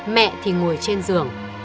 mẹ thì ngồi trên giường